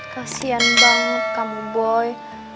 kasian banget kamu boy